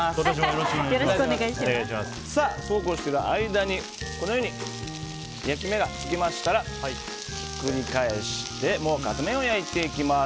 そうこうしている間に焼き目がつきましたらひっくり返してもう片面を焼いていきます。